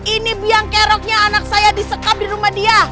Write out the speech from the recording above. ini biang keroknya anak saya disekap di rumah dia